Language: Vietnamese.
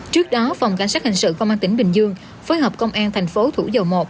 trước đó phòng cảnh sát hình sự công an tỉnh bình dương phối hợp công an thành phố thủ dầu một